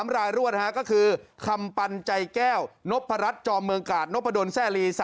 ๓รายรวดก็คือคำปันใจแก้วนพรัชจอมเมืองกาศนพดลแซ่ลี